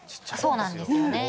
そうなんですよねねえ